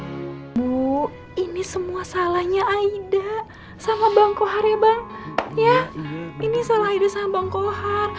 ibu ini semua salahnya aida sama bang kohar ya bang ya ini salah hidup sama bang kohar